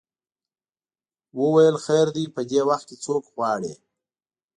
وویل خیر دی په دې وخت کې څوک غواړې.